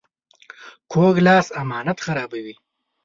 کوږ لاس امانت خرابوي